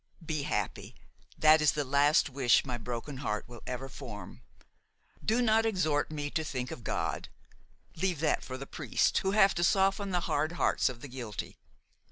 "Be happy! that is the last wish my broken heart will ever form! Do not exhort me to think of God, leave that for the priests, who have to soften the hard hearts of the guilty.